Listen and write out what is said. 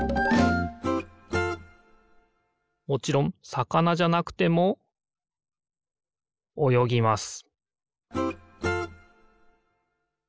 もちろんさかなじゃなくてもおよぎます